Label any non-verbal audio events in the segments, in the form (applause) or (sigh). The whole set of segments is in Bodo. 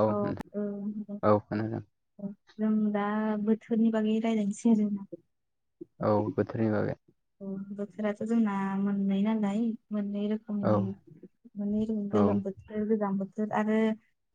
औ अ नोंथां औ खोनादों जों दा बोथोरनि बागै रायज्लायसै आरो ना औ बोथोरनि बागै अ बोथोराथ' जोंना मोननै नालाय मोननै औ रोखोमनि औ गोलोम बोथोर गोजां बोथोर आरो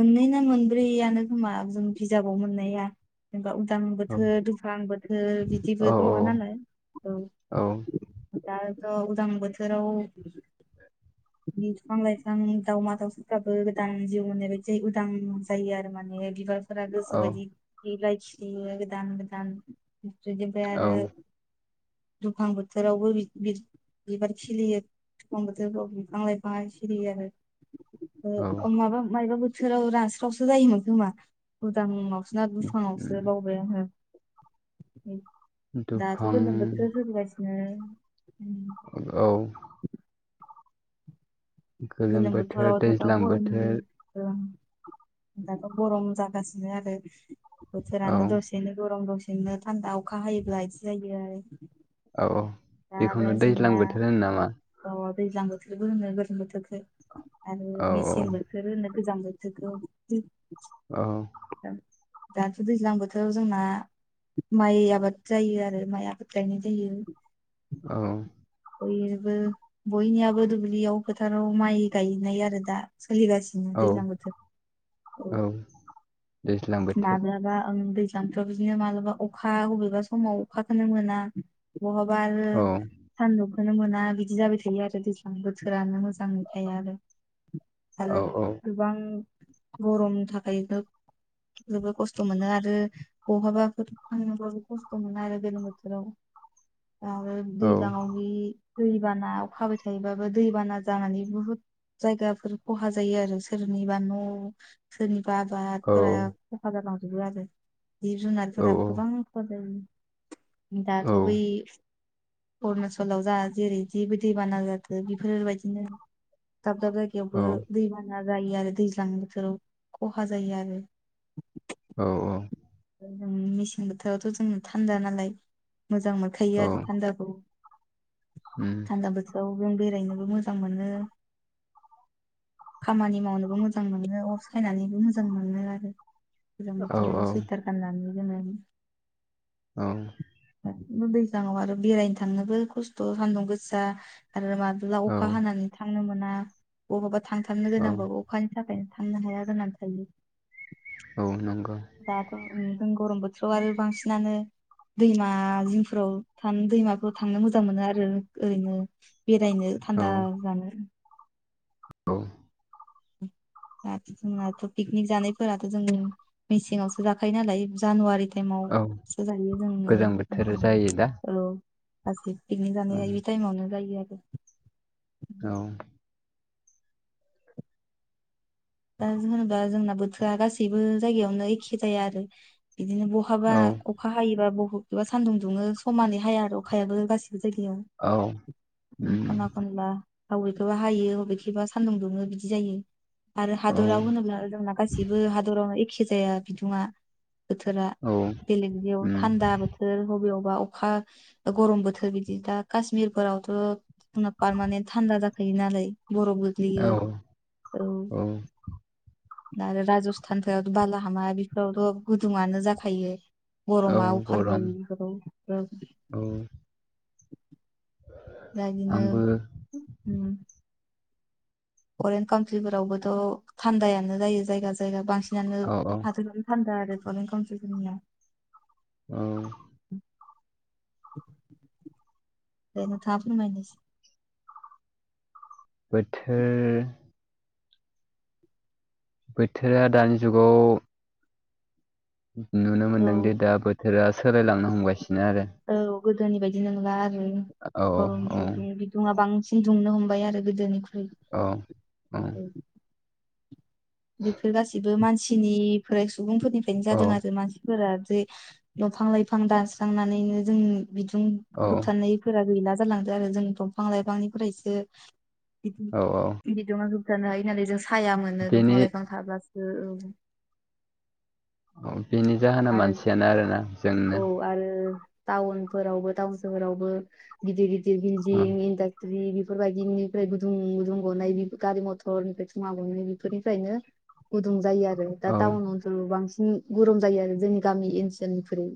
मोननै ना मोनब्रैयानो खोमा जों बिजाबाव मोननाया जेनेबा गोजां औ बोथोर दुफां बोथोर औ बिदिबो दङ नालाय औ औ आरोथ' उदां बोथोराव बिफां लाइफां दावमा दावउसाफ्राबो गोदान जिउ मोननाय बायदि जायो उदां जायो आरो माने बिबारफोरा गोसो बायदि बिलाय खिलियो गोदान गोदान बिनिफ्राय औ आरो दुफां बोथोरावबो बिबार खिलियो अ दुफां बोथोरफ्राव बिफां लायफांआ सिरियो आरो औ ओ-ओ माबा मायबा बोथोराव रानास्रावसो जायोमोन खोमा उदांआव ना दुफाङावसो बावबाय आङो। दुफां सो जोरलायसिनो। औ। गोलोम गलम बोथोर बथरावथ' दा दैज्लां गरम बोथोर ओ दाथ' गरम जागासिनो आरो औ बोथोरानो दसेनो गरम दसे नो थान्दा अखा हायोब्ला इदि जायो आरो। औ दा आरो बेखौनो जोंना दैज्लां बोथोर होनो नामा? अ दैज्लां बोथोरबो होनो गोलोम बोथोरखो आरो औ मेसें बोथोर होनो गोजां बोथोरखौ औ। दाथ' दैज्लां बोथोराव जोंना माइ आबाद जायो आरो माइ आबाद गायनाय जायो। औ बयबो बयनियाबो दुब्लियाव फोथाराव माइ गायनाय आरो दा फोलिगासिनो औ दैज्लां बोथोर औ दैज्लां बोथोर मानोबा आं दै दानाथ' बिदिनो मालाबा अखा बबेबा समाव अखाखौनो मोना बहबा आरो औ सानदुं खोनो मोना बिदि जाबाय थायो आरो दैज्लां बोथोरानो मोजाङै थाया आरो औ आरो औ गोबां गरमनि थाखायबो (inaudible) जोबोद खस्थ' मोनो आरो बहाबाफोर थांनोब्लाबो खस्थ' मोनो आरो गोलोम बोथोराव। (inaudible) आरो औ दैज्लांआव बे दैबाना अखाबाय थायोबाबो दैबाना जानानै बुहुद जायगाफोर खहा जायो आरो सोरनिबा न' सोरनिबा आबाद औ फोरा खहा जालांजोबो आरो जिब औ जुनारफोराबो गोबां खहा जायो दाथ' औ बै अरुणचलाव जा जेरै जेबो दैबाना जादो बेफोरबायदिनो दाब दाब औ जायगायावबो दैबाना जायो आरो दैज्लां बोथोराव खहा जायो आरो (inaudible) औ-औ उम मेसें बोथोरावथ' जों थान्दा नालाय मोजां औ मोनखायो आरो थान्दाखौ थान्दा बोथोराव जों बेरायनोबो मोजां मोनो खामानि मावनोबो मोजां मोनो अर सायनानैबो मोजां मोनो आरो गोजां बोथोराव सै (unintelligible) औ दैज्लांआव आरो बेरायनो थांनोबो खस्थ' सान्दुं गोसा आरो माब्ला औ अखा हानानै थांनो मोना बहाबा थांथारनो औ गोनांबाबो अखानि थाखायनो थांनो हाया गोनां (unintelligible) औ नंगौ दाथ' ओं गरम बोथोराव आरो बांसिनानो दैमा जिंफोराव थानो दैमाफोराव थांनो मोजां मोनो आरो ओरैनो बेरायनो औ थान्दा जानो। औ (inaudible) (unintelligible) जोंनाथ' पिकनिक जानायफोराथ' जों मेसेंआवसो जाखायो नालाय जानुवारि औ टाइमावसो जायो जोङो गोजां बोथोर ओंखाम जायो दा औ गासै पिकनिक ओं जानाया ओयबे टाइमावनो जायो आरो। औ दा होनोबा जोंना बोथोरा गासैबो जायगायावनो एखे जाया आरो बिदिनो बहाबा औ अखा हायोबा बहबा सानदुं दुङो समानै हाया आरो अखायाबो गासिबो जायगायाव औ उम खना खनला बबेखौबा हायो बबेखौबा सान्दुं दुङो बिदि जायो। आरो औ हादराव होनोब्ला जोंना गासैबो हादरावनो एखे जाया बिदुुंआ बोथोरा औ बेलेग बेयाव उम थान्दा बोथोर बबेयाव -बा अखा गरम बोथोर बिदि दा काश्मिरफोरावथ' पारमानेन्ट थान्दा जाखायो गनानै बरफ औ गोग्लैयो औ आरो राजस्थानफोरावथ' बालाहामा बेफोरावथ' गुदुङानो जाखायो। औ गरमा अभार गरम जायोबेफोराव औ दा आंबो बिदिनो फरेन कान्ट्रिफोरावबोथ' थान्दायानो जायो जायगा जायगा बांसिन बियानो औ औ हाथोनो थान्दा आरो फरेन काउन्सिल फोराव अ देन थाफनो बुंनायसि बोथोर बोथोरा दानि जुगाव नुनो औ मोनदों दि दा बोथोरा सोलायलांनो हमगासिनो आरो औ गोदोनि बायदि नोंला आरो गरम औ गुदुं गुदुंआ बांसिन दुंनो हमबाय आरो गोदोनि औ औ बेफोर गासैबो मानसिनिफ्राय सुबुंफोरनिफ्रायनो जादों आरो मानसिफोरा दफां लाइफां दानस्रांनानैनो जों बिदुं औ होबथानायफोरा गैला जालांदों आरो जों दंफां लाइफांनिफ्रायसो बिदुं औ औ बिदुंआ गोबां गायनाय होननानै जों साया मोनो बेनि दंफां लाइफां थाब्लासो औ बिनि जाहोना आरो मानसियानो आरोना जोंनो औ आरो टाउनफोरावबो टाउन सोहोरावबो गिदिर गिदिर औ बिल्डिं स्रि बेफोरबायदिनिफ्राय गुदुं गुदुं गनाय गारि मथरनिफ्राय घूवा गनाय बेफोरनिफ्रायनो गुदुं जायो आरो दा औ टाउन ओनसोलाव बांसिन गरम जायो आरो जोंनि गामि ओनसोलनिखुरै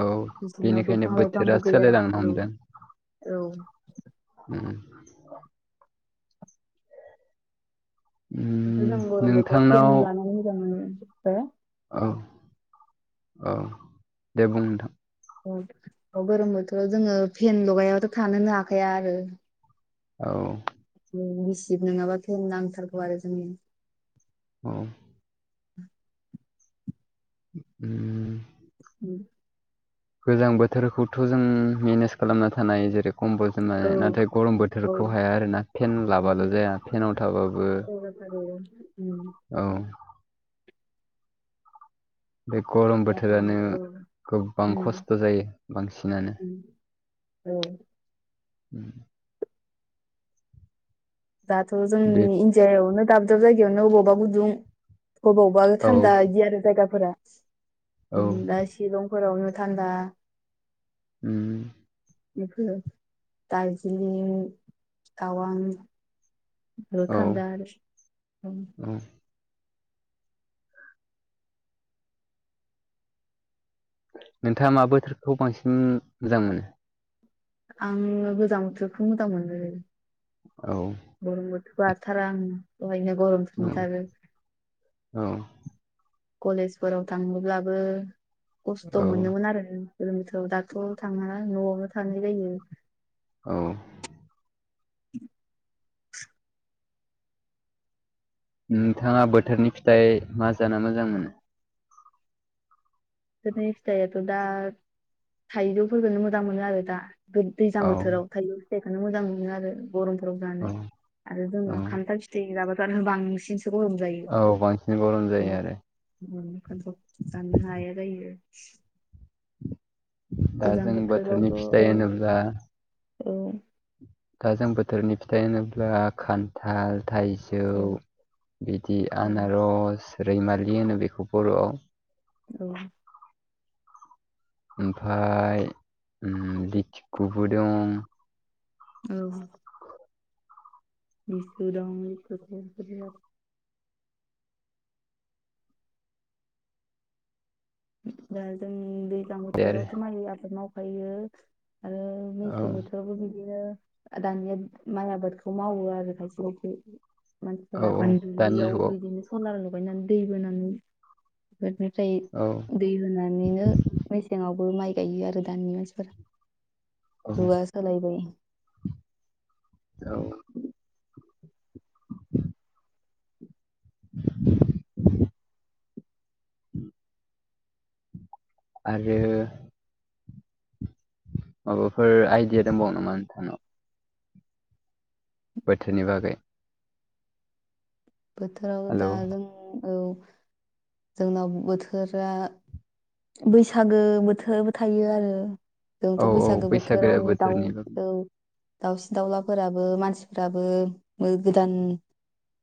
औ बिसिनाव बेनिखायनो दंफां बोथोरा लाइफांबो गैया सोलायलांनो औ हमदों औ (unintelligible) दाथ उम जों गरम बोथोराव फेल नोंथांनाव लानानै मोजां मोनो। औ औ दे बुं नोंथां गरम बोथोराव जोङो फेन लगायाबाथ' थानोनो हाखाया आरो औ गिसिब नङाबा फेन नांथारगौ आरो जोंनि औ (inaudible) उ (inaudible) गोजां बोथोरखौथ' जों मेनेज खालामना थानाय जेरै कम्बल जोमनानै औ नाथाय गरम औ बोथोरखौ हाया आरोना फेन लाबाल' जाया फेनाव थाबाबो आरो औ बे गरम बोथोरानो गोबां खस्थ' जायो बांसिनानो औ उम दाथ' बे जोंनि इण्डियाआवनो दाब दाब जायगायावनो बबावबा गुदुं अबावबा औ थान्दा बिदि आरो जायगाफोरा औ दा सिलं फोरावनो थान्दा उम बेफोर दार्जिलिंग तावां र औ थानदा आरो नोंथाङा मा बोथोरखौ बांसिन मोजां मोनो? आङो गोजां बोथोरखौ मोजां मोनो लै औ गरम बोथोरबा हाथारा आं सहायनो औ गरमसो मोनथारो औ कलेजफोराव थाङोब्लाबो खस्थ' औ मोनोमोन आरो जों गोलोम बोथोराव दाथ' थांला न'आवनो थांनाय जायो। औ नोंथाङा बोथोरनि फिथाइ मा जाना मोजां मोनो? बोथोरनि फिथायाथ' दा थाइजौफोरखौनो मोजां मोनो आरो दा। दैज्लां औ बोथोराव थायजौ फिथाइखौनो मोजां मोनो आरो। गरमफोराव जानो औ आरो औ जोंना खान्थाल फिथाइ जाबाथ' आरो बांसिन सो गरम जायो औ बांसिन गरम जायो आरो (inaudible) जानो हायो। दा गोजां जों बोथोरनि बोथोरावथ' औ फिथाइ होनोब्ला औ दा जों बोथोरनि फिथाइ होनोब्ला खान्थाल थाइजौ औ बिदि औ आनारस रैमालि होनो बेखौ बर'आव। औ। ओमफाय उम लिथिखुबो दं। औ। (unintelligible) दा जों दैज्लां बे आरो बोथोरावथ' माइ आबाद मावखायो। आरो औ मेसें बोथोरावबो बिदिनो दानिया माइ आबादखौ मावो आरो खायसे खायसे। औ मानसिफोरा औ माने दानि दुब्लियाव जुगाव बिदिनो सलार लगायनानै दै बोनानै (unintelligible) औ जायों दै होनानैनो मेसेंआवबो माइ गायो आरो दानि मानसिफोरा। औ जुगा सोलायबाय। औ आरो माबाफोर आइडिया दंबावो नामा नोंथानाव? बोथोरनि बागै। बोथोराव दा हेलौ जों औ। जोंनाव बोथोरा बैसागो बोथोरबो थायो आरो। औ जोंथ' औ बैसागो बोथोराव दाउ बोथोरनि बागै औ दाउसिन-दाउलाफोराबो मानसिफोराबो गोदान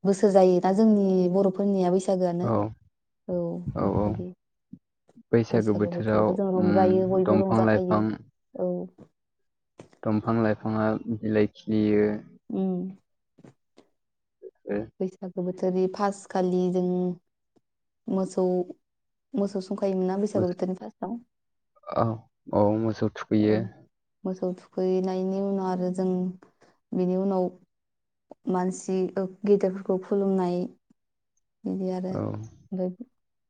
बोस जायोना जोंनि बर'फोरनिया बैसागोआनो। औ औ बेबायदि बैसागो बैसागु बोथोराव बोथोरावथ' जों उम रंजायो बयबो दंफां रंजाखायो। औ दंफां-लाइफाङा बिलाइ खिलियो। उम आरो बैसागु बोथोर फासखालि जों मोसौ मोसौ संखायोमोन ना बैसागो मोसौ बोथोरनि फार्स्टआव? औ औ मोसौ थुखैयो। औ मोसौ थुखैनायनि उनाव आरो जों बेनि उनाव मानसि गेदेरफोरखौ खुलुमनाय बिदि आरो। औ ओमफाय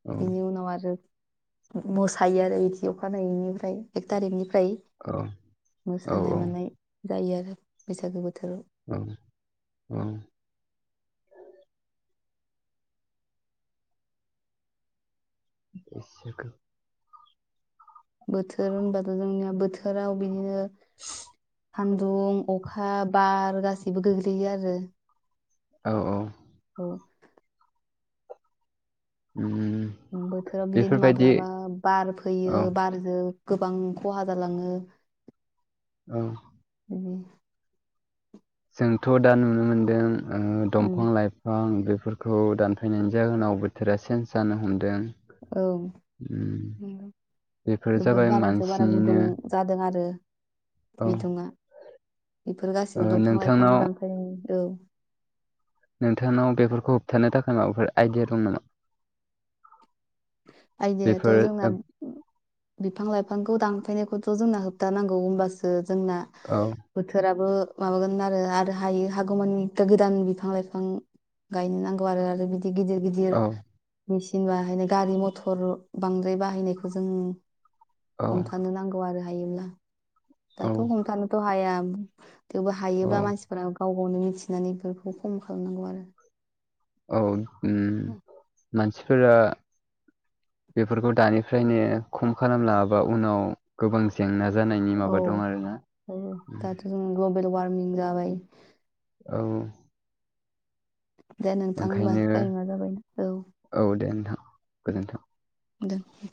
औ बिनि उनाव आरो मोसायो आरो इदि अखानायैनिफ्राय एक थारिखनि फ्राय औ औ मोसानाय औ मानाय जायो आरो बैसागो बोथोराव। औ औ (unintelligible) बोथोर होनबाथ' जोंनिया बोथोराव बिदिनो सान्दुं, अखा, बार गासैबो गोग्लैयो आरो। औ औ। (inaudible) उम बोथोराव बिदिनो बेफोरबायदि माब्लाबा बार औ फैयो बारजों गोबां खहा जालाङो। औ (inaudible) जोंथ' दा नुनो मोनदों उम दंफां लाइफां बेफोर फोरखौ दानफैनायनि जाहोनाव बोथोरा चेन्ज जानो हमदों औ उम नंगौ बेफोर जोबोद जाबाय बारानिफ्राय बारा गुदुं मानसिनिनो जादों आरो औ बिदुंआ बेफोर ओ गासैबो दंफां-लाइफां नोंथांनाव दानफायनायनि औ नोंथांनाव बेफोरखौ होबथानो थाखाय माबाफोर आइडिया दं नामा? आयदायाथ' बेफोर जोंना बिफां लाइफांखौ दान दानफायनायखौथ' जोंना होबथानांगौ होनबासो जोंना ओ, बोथोराबो माबागोन आरो-आरो हायो हागौमानि गोदान बिफां- लाइफां गायनो नांगौ आरो बिदि गिदिर-गिदिर औ मेचिन बाहायनाय गारि मथर बांद्राय बाहायनायखौ जों औ हमथानो नांगौ आरो हायोब्ला औ दाथ' हमथानोथ' हाया थेवबो औ हायोब्ला मानसिफोरा गाव गावनो मिथिनानै बेफोरखौ खम खालामनांगौ आरो औ ओम मानसिफोरा बेफोरखौ दानिफ्रायनो खम खालामलाङाबा उनाव गोबां जेंना जानायनि औ माबा दं आरोना औ उम, दाथ' जों ग्लबेल वारमिं जाबाय औ दे नोंथां होमबा ओंखायनो टाइमा जाबायना औ औ दे नोंथां गोजोन्थों। दे